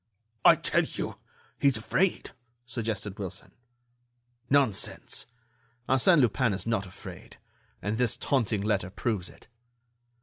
"I tell you—he's afraid," suggested Wilson. "Nonsense! Arsène Lupin is not afraid, and this taunting letter proves it."